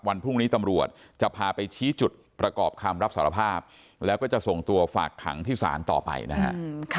วันพรุ่งนี้ตำรวจจะพาไปชี้จุดประกอบคำรับสารภาพแล้วก็จะส่งตัวฝากขังที่ศาลต่อไปนะฮะ